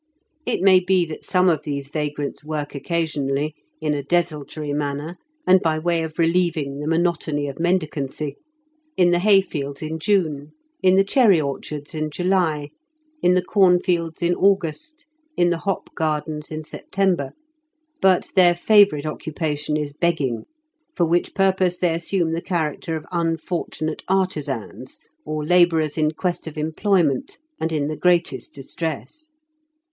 It may be that some of these vagrants work occasionally, in a desultory manner, and by way of relieving the mono tony of mendicancy, — ^in the hay fields in June, in the cherry orchards in July, in the corn fields in August, in the hop gardens in September; but their favourite occupation is begging, for which purpose they assume the character of unfortunate artisans or labourers in quest of employment, and in the greatest distress.